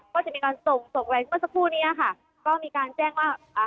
ก็จะมีการส่งส่งอะไรเมื่อสักครู่เนี้ยค่ะก็มีการแจ้งว่าอ่า